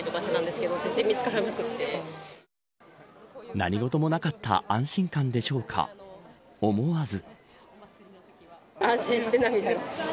何事もなかった安心感でしょうか思わず。